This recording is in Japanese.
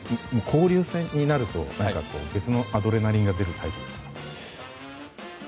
交流戦になると別のアドレナリンが出るタイプですか。